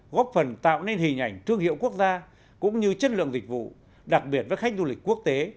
góp phần tạo nên hình ảnh thương hiệu quốc gia cũng như chất lượng dịch vụ đặc biệt với khách du lịch quốc tế